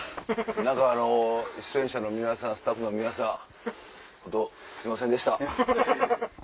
何か出演者の皆さんスタッフの皆さん本当すいませんでした。